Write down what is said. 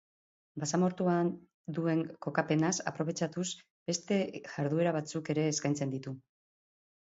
Basamortuan duen kokapenaz aprobetxatuz beste jarduera batzuk ere eskaintzen ditu.